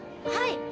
はい。